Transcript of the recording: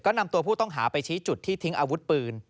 นำตัวผู้ต้องหาไปชี้จุดที่ทิ้งอาวุธปืน